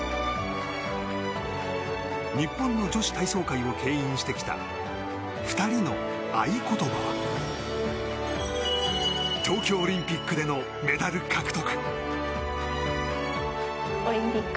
日本の女子体操会をけん引してきた２人の合言葉は東京オリンピックでのメダル獲得。